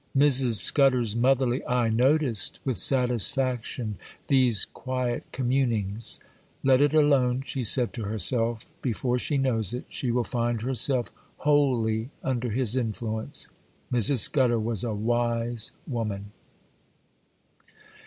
Mrs. Scudder's motherly eye noticed, with satisfaction, these quiet communings. 'Let it alone,' she said to herself; 'before she knows it, she will find herself wholly under his influence.' Mrs. Scudder was a wise woman.